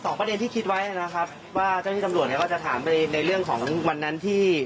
ประเด็นที่คิดไว้นะครับว่าเจ้าที่ตำรวจเนี่ยก็จะถามไปในในเรื่องของวันนั้นที่